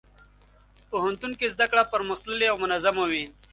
پوهنتون کې زدهکړه پرمختللې او منظمه وي.